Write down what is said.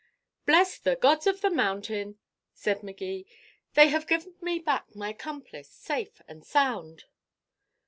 "Bless the gods of the mountain," said Magee; "they have given me back my accomplice, safe and sound."